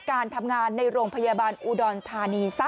การทำงานในโรงพยาบาลอุดรธานีซะ